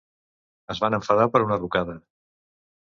Es van enfadar per una rucada.